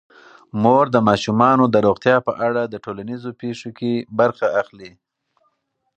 مور د ماشومانو د روغتیا په اړه د ټولنیزو پیښو کې برخه اخلي.